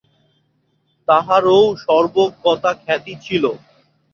তাহারও সর্বজ্ঞতাখ্যাতি ছিল।